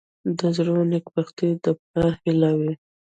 • د زوی نېکبختي د پلار هیله وي.